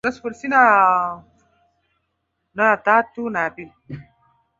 aliyewaahidi askari wake ushindi kutoka kwenye dawa aliyoamini ingeweza kubadilisha risasi kuwa maji